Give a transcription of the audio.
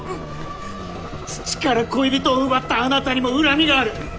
父から恋人を奪ったあなたにも恨みがある。